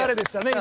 今。